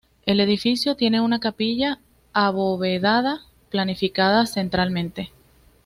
El edificio tiene una capilla abovedada, planificada centralmente.